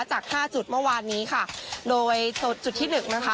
จากห้าจุดเมื่อวานนี้ค่ะโดยจุดที่หนึ่งนะคะ